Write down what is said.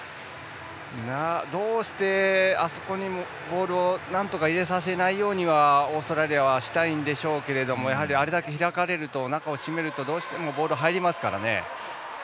あそこにボールをなんとか入れさせないようにはオーストラリアはしたいんでしょうけれどもやはり、あれだけ開かれると中を閉めるとどうしてもボール入りますからね。